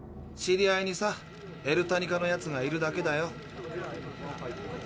知り合いにさエルタニカのやつがいるだけだよ。